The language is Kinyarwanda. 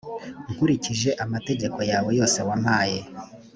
nkurikije amategeko yawe yose wampaye,